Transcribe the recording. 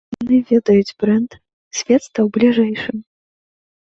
Яны ведаюць брэнд, свет стаў бліжэйшым.